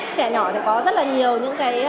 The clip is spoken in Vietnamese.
trẻ nhỏ thì có rất là nhiều những cái